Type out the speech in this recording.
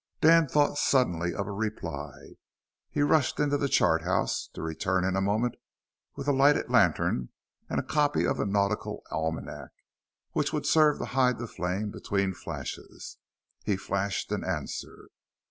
Dan thought suddenly of a reply. He rushed into the charthouse, to return in a moment with a lighted lantern and a copy of the Nautical Almanac which would serve to hide the flame between flashes. He flashed an answer.